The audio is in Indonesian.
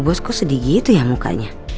bu bos kok sedih gitu ya mukanya